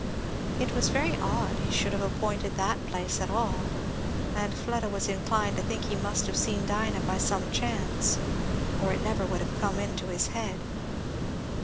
It was very odd he should have appointed that place at all, and Fleda was inclined to think he must have seen Dinah by some chance, or it never would have come into his head.